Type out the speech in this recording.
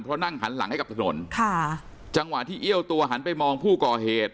เพราะนั่งหันหลังให้กับถนนค่ะจังหวะที่เอี้ยวตัวหันไปมองผู้ก่อเหตุ